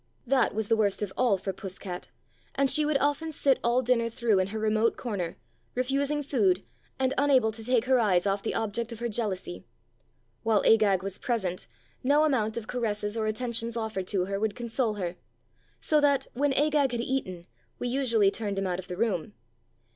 That was the worst of all for Puss cat, and she would often sit all dinner through 245 "Puss cat" in her remote corner, refusing food, and unable to take her eves off the object of her jealousy. While Agag was present, no amount of caresses or atten tions offered to her would console her, so that, when Agag had eaten, we usually turned him out of the room.